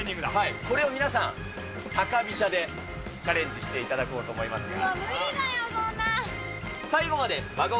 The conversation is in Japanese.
これを皆さん高飛車でチャレンジしていただこうと思いますが。